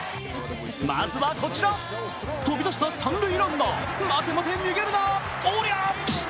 まずはこちら、飛び出した三塁ランナー、待て待て逃げるな、おりゃ。